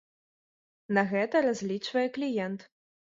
На гэта разлічвае кліент.